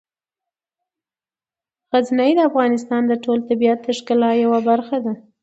غزني د افغانستان د ټول طبیعت د ښکلا یوه برخه ده.